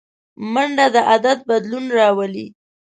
منډه د عادت بدلون راولي